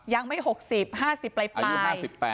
ยังไม่๖๐ห้าสิบไป